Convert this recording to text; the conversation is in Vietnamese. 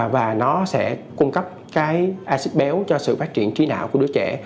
và nó sẽ cung cấp acid béo cho sự phát triển trí đạo của đứa trẻ